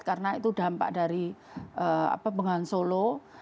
karena itu dampak dari apa penggunaan solo